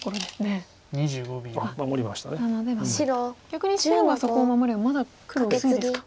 逆に白がそこを守ればまだ黒薄いですか。